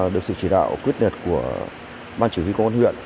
được sự chỉ đạo quyết liệt của ban chỉ huy công an huyện